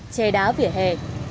chè đá vỉa hè